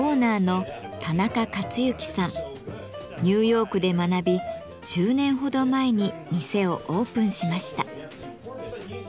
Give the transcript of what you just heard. ニューヨークで学び１０年ほど前に店をオープンしました。